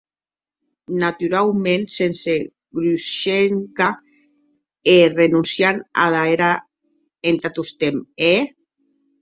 Naturauments, sense Grushenka e renonciant ada era entà tostemp, è?